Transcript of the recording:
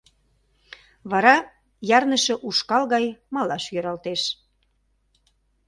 Вара ярныше ушкал гай малаш йӧралтеш.